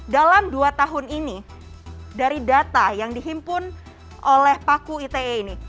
dalam dua tahun ini dari data yang dihimpun oleh paku ite ini